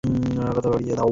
আমার কথা বাদ দাও।